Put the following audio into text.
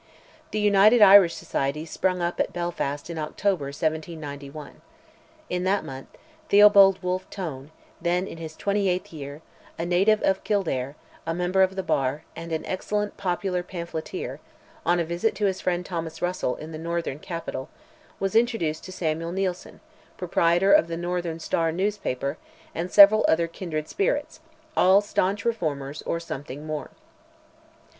The United Irish Society sprung up at Belfast in October, 1791. In that month, Theobold Wolf Tone, then in his 28th year, a native of Kildare, a member of the bar, and an excellent popular pamphleteer, on a visit to his friend Thomas Russell, in the northern capital, was introduced to Samuel Neilson, proprietor of the Northern Star newspaper, and several other kindred spirits, all staunch reformers, or "something more."